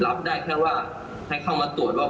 รับได้แค่ว่าให้เข้ามาตรวจว่า